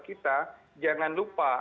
kita jangan lupa